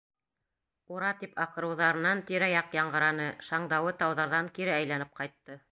«Ура» тип аҡырыуҙарынан тирә-яҡ яңғыраны, шаңдауы тауҙарҙан кире әйләнеп ҡайтты.